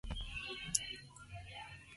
En lugar de Capitán Marvel Jr.